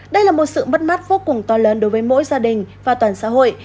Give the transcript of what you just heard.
đây là một sự mất mắt vô cùng to lớn đối với mỗi gia đình và toàn xã hội